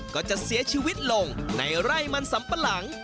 ก็จะเสียชีวิตลงในไร่มันสำปะหลัง